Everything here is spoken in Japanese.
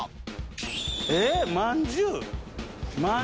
えっまんじゅう？